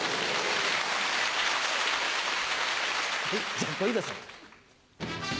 じゃあ小遊三さん。